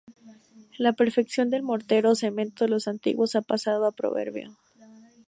La perfección del mortero o cemento de los antiguos ha pasado a proverbio.